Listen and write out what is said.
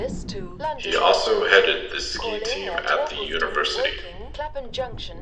He also headed the ski team at the university.